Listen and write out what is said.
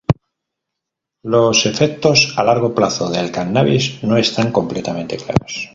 Los efectos a largo plazo del cannabis no están completamente claros.